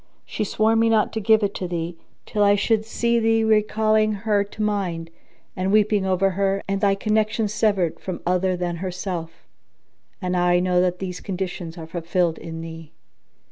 She swore me not to give it thee, till I should see thee recalling her to mind and weeping over her and thy connection severed from other than herself; and now I know that these conditions are fulfilled in thee."